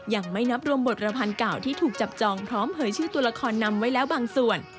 ยังไม่นับรวมบทระพันธ์เก่าที่ถูกจับจองพร้อมเผยชื่อตัวละครนำไว้แล้วบางส่วน